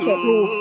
đánh kẻ thù